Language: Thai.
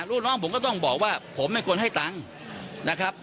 ลูกน้องผมก็ต้องบอกว่าผมไม่ควรให้ตังค์นะครับ